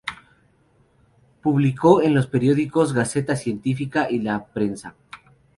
Publicó en los periódicos "Gaceta científica" y "La Prensa".